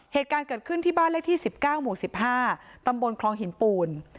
เหตุการณ์เกิดขึ้นที่บ้านเลขที่๑๙หมู่๑๕ตำบลคลองหินปูน